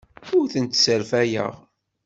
Ur tent-sserfayeɣ.